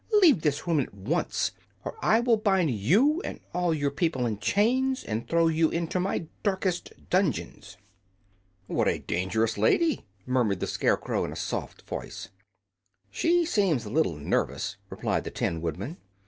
Leave this room at once, or I will bind you and all your people in chains, and throw you into my darkest dungeons!" "What a dangerous lady!" murmured the Scarecrow, in a soft voice. "She seems a little nervous," replied the Tin Woodman.